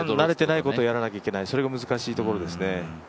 ふだん、慣れていないことをやらなきゃいけないそれが難しいところですね。